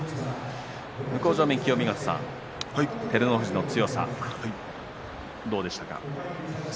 向正面の清見潟さん、照ノ富士の強さ、どうでしたか。